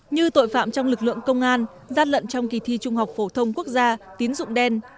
như tội phạm trong lực lượng công an gian lận trong kỳ thi trung học phổ thông quốc gia tín dụng đen